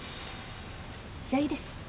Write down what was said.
じゃいいです。